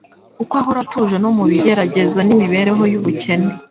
uko ahora atuje no mu bigeragezo n'imibereho y'ubukene.